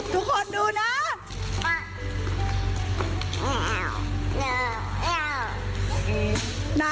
ทุกคนดูนะ